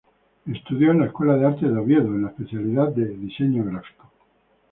Estudió en la Escuela de Artes de Oviedo en la especialidad de Diseño Gráfico.